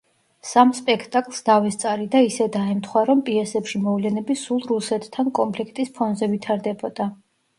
სამ სპექტაკლს დავესწარი და ისე დაემთხვა, რომ პიესებში მოვლენები სულ რუსეთთან კონფლიქტის ფონზე ვითარდებოდა.